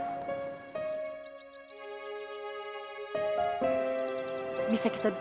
terima kasih ya pak